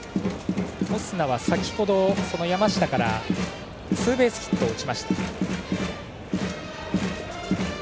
オスナは先程、山下からツーベースヒットを放ちました。